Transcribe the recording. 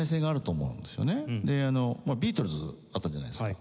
でビートルズあったじゃないですか。